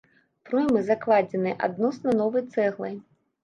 Проймы закладзеныя адносна новай цэглай.